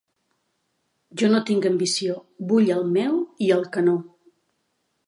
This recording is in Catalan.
Jo no tinc ambició: vull el meu i el que no.